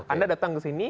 anda datang ke sini